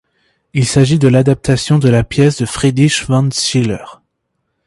Il s'agit de l'adaptation de la pièce de Friedrich von Schiller.